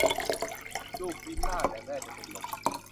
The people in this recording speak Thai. ลูกยิ้มร่า แต่แม่จะเป็นลม